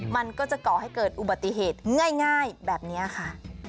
มันก็จะก่อให้เกิดอุบัติเหตุง่ายแบบนี้ค่ะ